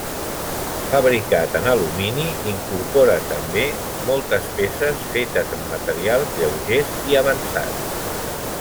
Fabricat en alumini incorpora també moltes peces fetes en materials lleugers i avançats.